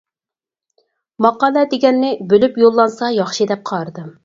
ماقالە دېگەننى بۆلۈپ يوللانسا ياخشى دەپ قارىدىم.